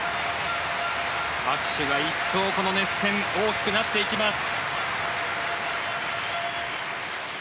拍手が一層、この熱戦大きくなっていきます。